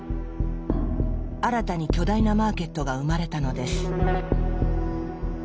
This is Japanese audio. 新たに巨大なマーケットが生まれたのです。